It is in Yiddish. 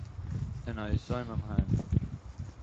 אין אַ יתומים-היים